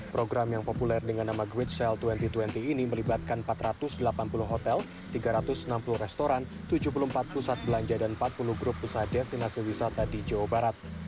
program yang populer dengan nama grid sale dua ribu dua puluh ini melibatkan empat ratus delapan puluh hotel tiga ratus enam puluh restoran tujuh puluh empat pusat belanja dan empat puluh grup usaha destinasi wisata di jawa barat